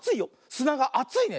すながあついね。